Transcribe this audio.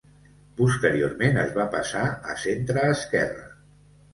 Posteriorment es va passar a centreesquerra.